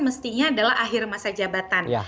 mestinya adalah akhir masa jabatan